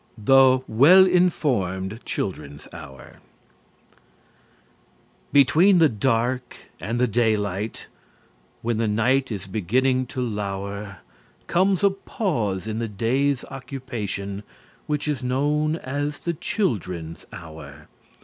The Well Informed Children's Hour Between the dark and the day light, When the night is beginning lo lower, Comes a pause in the day's occupation Which is known as the children's hour.